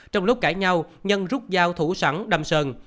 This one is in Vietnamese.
trong lúc cãi nhau nhân rút dao thủ sẵn đâm sơn